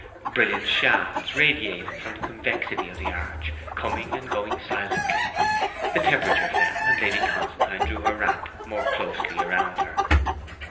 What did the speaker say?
Brilliant shafts radiated from the convexity of the arch, coming and going silently. The temperature fell, and Lady Constantine drew her wrap more closely around her.